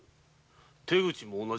手口も同じか？